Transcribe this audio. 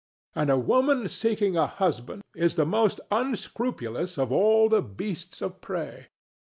And a woman seeking a husband is the most unscrupulous of all the beasts of prey.